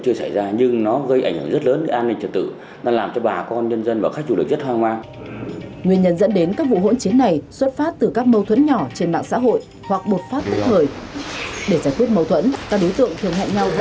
để giải quyết mâu thuẫn các đối tượng thường hẹn nhau dẫn các khu vực lớn